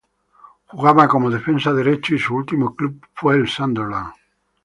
Jugaba como defensa derecho y su último club fue el Sunderland.